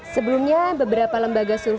sebelumnya beberapa lembaga survei